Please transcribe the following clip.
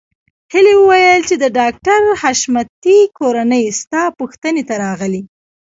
هيلې وویل چې د ډاکټر حشمتي کورنۍ ستا پوښتنې ته راغلې